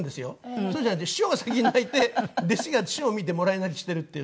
そうじゃなくて師匠が先に泣いて弟子が師匠を見てもらい泣きしてるっていうね。